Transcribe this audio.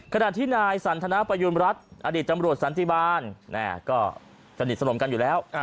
ขณะที่นายสันทนาประยุณรัฐอดีตตำรวจสันติบาลก็สนิทสนมกันอยู่แล้ว